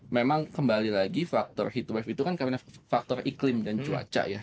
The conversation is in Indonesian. memang kembali lagi faktor heat wave itu kan karena faktor iklim dan cuaca ya